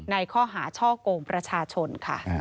ในข้อหาช่อกงประชาชนค่ะ